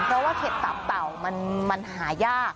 เพราะว่าเข็ดตับเต่ามันหายาก